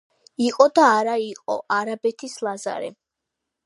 იყო და არა იყო არაბეთს ლაზარე